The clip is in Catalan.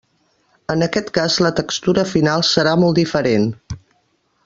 En aquest cas la textura final serà molt diferent.